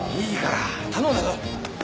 いいから頼んだぞ。